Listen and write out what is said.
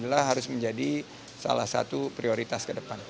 dan inilah harus menjadi salah satu prioritas ke depan